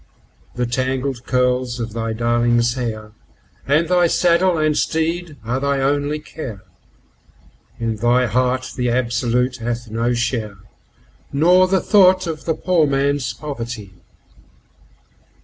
The tangled curls of thy darling's hair, and thy saddle and teed are thy only care; In thy heart the Absolute hath no share, nor the thought of the poor man's poverty.